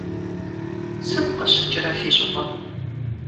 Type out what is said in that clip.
Сыт къыщыкӏрэ фи щӏыпӏэм?